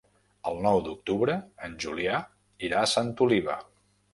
El nou d'octubre en Julià irà a Santa Oliva.